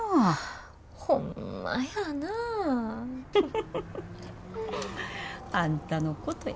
ホンマやな。あんたのことや。